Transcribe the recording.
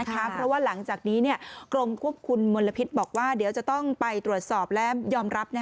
เพราะว่าหลังจากนี้กรมควบคุมมลพิษบอกว่าเดี๋ยวจะต้องไปตรวจสอบและยอมรับ